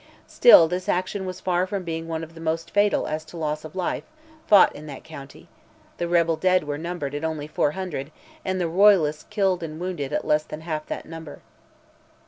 Still this action was far from being one of the most fatal as to loss of life, fought in that county; the rebel dead were numbered only at 400, and the royalists killed and wounded at less than half that number.